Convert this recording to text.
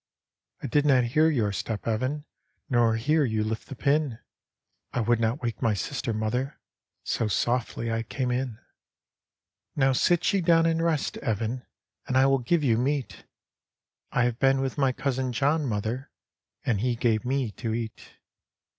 " I did not hear your step, Evan, Nor hear you lift the pin." " I would not wake my sister, mother, So softly I came in." D,gt,, erihyGOOgle The Haunted Hour " Now sit ye down and rest, Evan, And I will give you meat" " I have been with my cousin John, mother. And he gave me to eat."